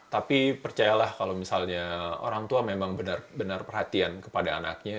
tapi percayalah kalau misalnya orang tua memang benar benar perhatian kepada anaknya